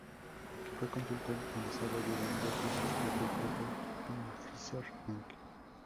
Fue consultor en Desarrollo de Negocios y Estrategias de Pfizer, Inc.